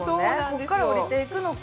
ここから降りていくのか。